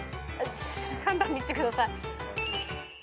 ３番見してください。